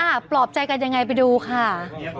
ปลอบใจกันยังไงไปดูค่ะ